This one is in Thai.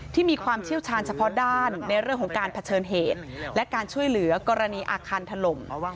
มีความเชี่ยวชาญเฉพาะด้านในเรื่องของการเผชิญเหตุและการช่วยเหลือกรณีอาคารถล่ม